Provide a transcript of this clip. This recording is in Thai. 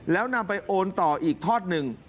แล้วนำไปโอนต่ออีกทอดหนึ่ง